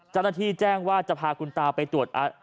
เจ้าหน้าที่แจ้งว่าจะพาคุณตาไปตรวจ